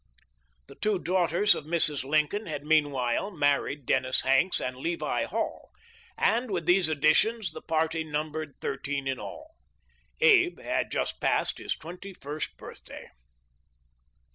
The two daughters of Mrs. Lincoln had meanwhile married Dennis Hanks and Levi Hall, and with these additions the party numbered thir teen in all. Abe had just passed his twenty first birthday.